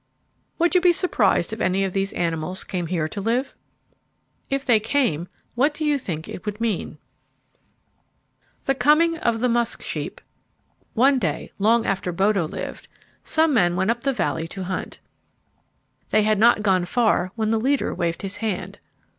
Would you be surprised if any of these animals came here to live? If they came, what do you think it would mean? [Illustration: The strange musk sheep] The Coming of the Musk Sheep One day long after Bodo lived some men went up the valley to hunt. They had not gone far when the leader waved his hand.